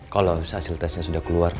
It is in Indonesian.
kalau hasil tesnya sudah keluar